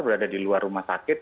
berada di luar rumah sakit